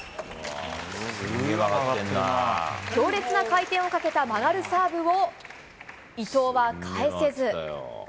強烈な回転をかけた曲がるサーブを、伊藤は返せず。